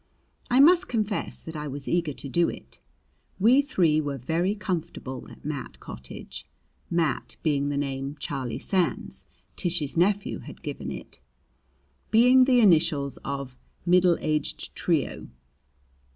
I must confess that I was eager to do it. We three were very comfortable at Mat Cottage, "Mat" being the name Charlie Sands, Tish's nephew, had given it, being the initials of "Middle Aged Trio."